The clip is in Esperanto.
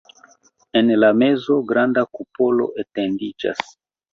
En la mezo granda kupolo etendiĝas.